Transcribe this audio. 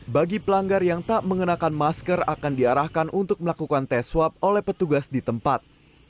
bagi pelanggar yang tak mengenakan masker akan diarahkan untuk melakukan tes swab oleh petugas di tempat